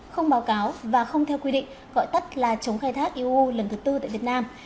không báo cáo và không theo quy định gọi tắt là chống khai thác eu lần thứ tư tại việt nam